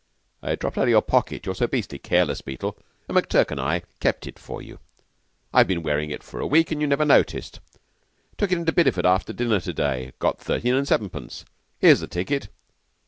"It dropped out of your pocket (you're so beastly careless, Beetle), and McTurk and I kept it for you. I've been wearing it for a week, and you never noticed. Took it into Bideford after dinner to day. Got thirteen and sevenpence. Here's the ticket."